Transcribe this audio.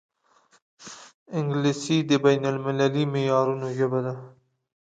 انګلیسي د بین المللي معیارونو ژبه ده